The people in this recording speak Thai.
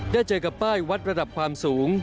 เจอกับป้ายวัดระดับความสูง